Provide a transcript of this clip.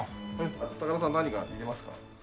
高田さん何か入れますか？